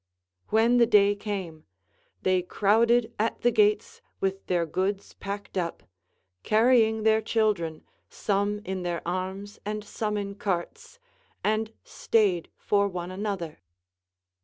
When the day came, they crowded at the gates with their goods packed up, carrying their children, some in their arms and some in carts, and stayed CONCERNING THE VIRTUES OF WOMEN. 359 for one another.